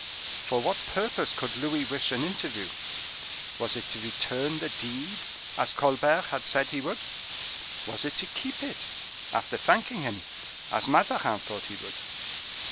For what purpose could Louis wish for an interview? Was it to return the deed, as Colbert had said he would? Was it to keep it, after thanking him, as Mazarin thought he would?